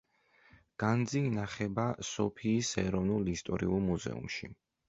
განძი ინახება სოფიის ეროვნულ ისტორიულ მუზეუმში.